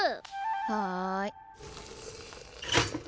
はい。